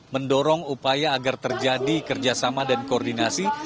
mendorong upaya agar terjadi kerjasama dan koordinasi